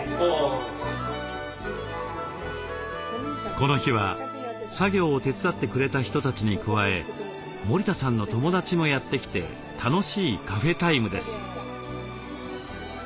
この日は作業を手伝ってくれた人たちに加え森田さんの友達もやって来て楽しいカフェタイムです。